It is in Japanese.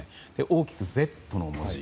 大きく「Ｚ」の文字。